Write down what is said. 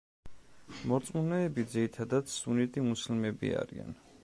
მორწმუნეები ძირითადად სუნიტი მუსლიმები არიან.